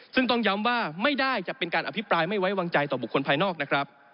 ซึ่งต้องย้ำว่าไม่ได้จะเป็นการอภิปรายไม่ไว้วางใจต่อบุคคลภายนอกนะครับ